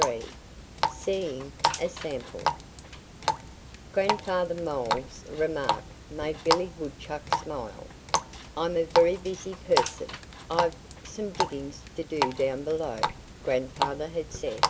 XXIII SEEING A SAMPLE GRANDFATHER MOLE'S remark made Billy Woodchuck smile. "I'm a very busy person. I've some digging to do down below," Grandfather had said.